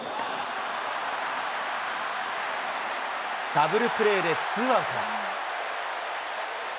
ダブルプレーでツーアウト。